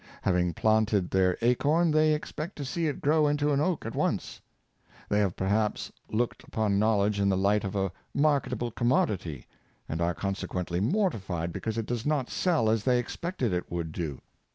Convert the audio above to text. Having planted their acorn, they expect to see it grow into an oak at once. They have perhaps looked upon knowledge in the light of a mar ketable commodity, and are consequently mortified be cause it does not sell as they expected it would do.